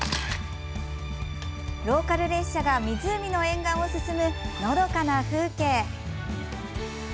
ローカル列車が湖の沿岸を進む、のどかな風景。